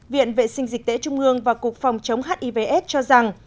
viện vệ sinh dịch tễ trung ương và cục phòng chống hiv aids cho rằng